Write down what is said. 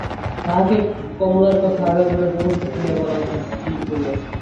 তাঁহাকে কমলার কথা আগাগোড়া সমস্ত খুলিয়া বলা উচিত স্থির করিয়াছি।